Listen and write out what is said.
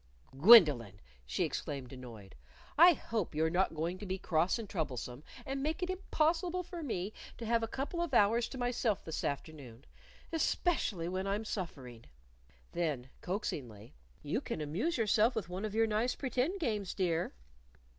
"Gwendolyn!" she exclaimed, annoyed. "I hope you're not going to be cross and troublesome, and make it impossible for me to have a couple of hours to myself this afternoon especially when I'm suffering." Then, coaxingly, "You can amuse yourself with one of your nice pretend games, dear."